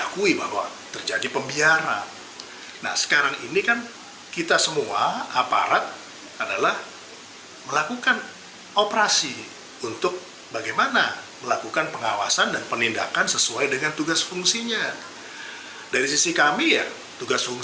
karena harus diangkat